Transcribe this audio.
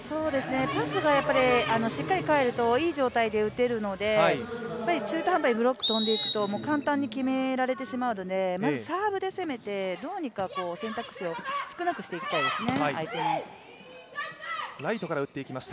パスがしっかり返るといい状態で打てるので、中途半端にブロック飛んでいくと簡単に決められてしまうので、まずサーブで攻めてどうにか相手の選択肢を少なくしていきたいですね。